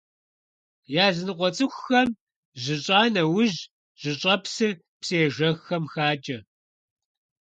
Языныкъуэ цӀыхухэм, жьыщӀа нэужь, жьыщӀэпсыр псыежэххэм хакӀэ.